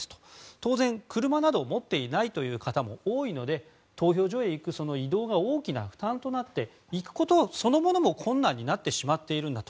当然、車など持っていない方も多いので投票所へ行く移動が大きな負担となって行くことそのものも困難になってしまっているんだと。